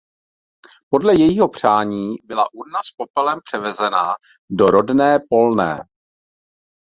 Podle jejího přání byla urna s popelem převezena do rodné Polné.